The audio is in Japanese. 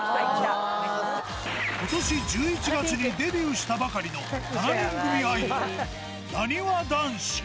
ことし１１月にデビューしたばかりの７人組アイドル、なにわ男子。